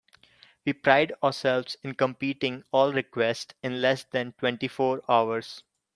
We pride ourselves in completing all requests in less than twenty four hours.